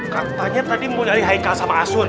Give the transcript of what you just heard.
katanya tadi mau nyari haikal sama asun